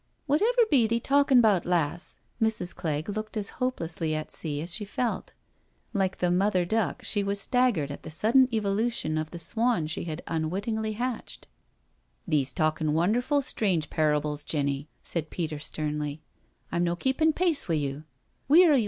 " Whatever be thee talking 'bout, lass?" Mrs. Clegg looked as hopelessly at sea as she felt. Like the *' Mother Duck *' she was staggered at the sudden evolution of the swan she had unwittingly hatched. " Thee's talkin' wonderfu' strange parables, Jenny," said Peter sternly. " I'm no' keepin' pace wi* you.